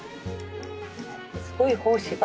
すごい胞子が。